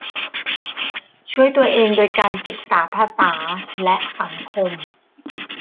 ช่วยตัวเองโดยการศึกษาภาษาและสังคม